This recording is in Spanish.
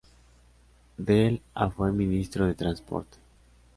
Del a fue ministro de transporte.